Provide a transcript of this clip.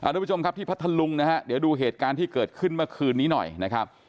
ทุกผู้ชมครับที่พัทธลุงนะฮะเดี๋ยวดูเหตุการณ์ที่เกิดขึ้นเมื่อคืนนี้หน่อยนะครับ